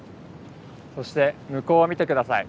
そして向こうを見て下さい。